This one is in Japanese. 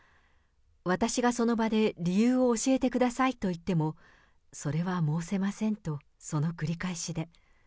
私がその場で理由を教えてくださいと言っても、それは申せませんとその繰り返しで。